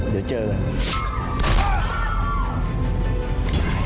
เดี๋ยวเจอกัน